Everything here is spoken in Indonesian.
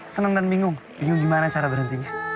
senang dan bingung ini gimana cara berhentinya